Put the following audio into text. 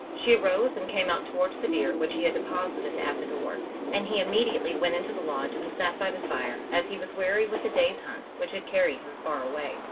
She arose and came out toward the deer which he had deposited at the door, and he immediately went into the lodge and sat by the fire, as he was weary with the day's hunt, which had carried him far away.